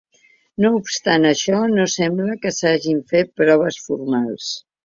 No obstant això, no sembla que s'hagin fet proves formals.